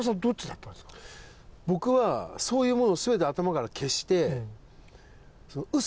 僕はそういうものを全て頭から消して。